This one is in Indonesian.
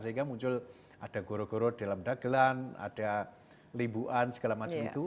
sehingga muncul ada goro goro dalam dagelan ada limbuan segala macam itu